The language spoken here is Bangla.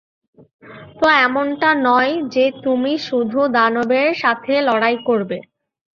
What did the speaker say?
তো এমনটা নয় যে তুমি শুধু দানবের সাথে লড়াই করবে।